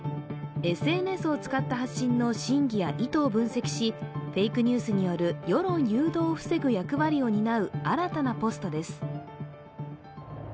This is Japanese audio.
ＳＮＳを使った発信の真偽や意図を分析しフェイクニュースによる世論誘導を防ぐ役割を担う新たなポストです。